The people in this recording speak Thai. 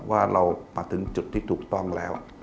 ว่าเรามาถึงจุดที่ถูกต้องแล้ว